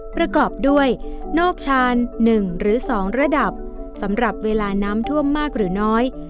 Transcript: ประกอบด้วยนอกชาน๑หรือ๒ระดับสำหรับเวลาน้ำท่วมมากหรือน้อย